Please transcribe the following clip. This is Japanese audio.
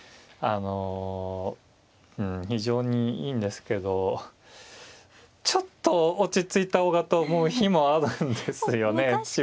あの非常にいいんですけどちょっと落ち着いた方がと思う日もあるんですよね。